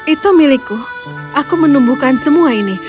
itu milikku aku menumbuhkan semua ini